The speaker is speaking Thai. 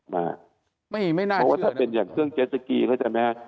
เพราะว่าถ้าเป็นอย่างเครื่องเจสสกีรู้จักไหม